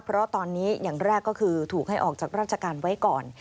เพราะตอนนี้อย่างแรกก็คือถูกให้ออกจากราชการไว้ก่อน